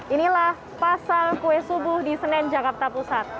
inilah pasar kue subuh di senen jakarta pusat